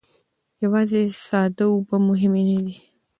یوازې ساده اوبه مهمې نه دي.